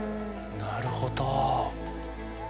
なるほど。